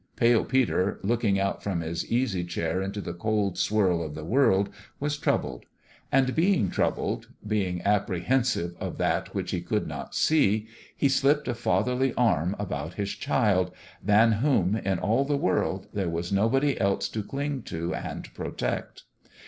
Pale Peter, look ing out from his easy chair into the cold swirl of the world, was troubled ; and being troubled being apprehensive of that which he could not see he slipped a fatherly arm about his child, than whom, in all the world, there was nobody else to cling to and protect.